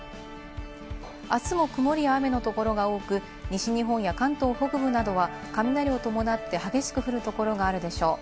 あすも曇りや雨のところが多く、西日本や関東北部などは雷を伴って激しく降るところがあるでしょう。